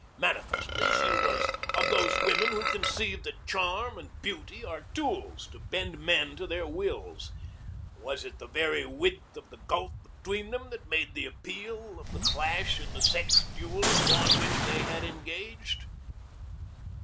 Manifestly she was of those women who conceive that charm and beauty are tools to bend men to their wills. Was it the very width of the gulf between them that made the appeal of the clash in the sex duel upon which they had engaged?